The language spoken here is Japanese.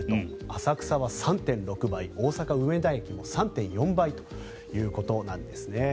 浅草は３．６倍大阪・梅田駅も３．４倍ということなんですね。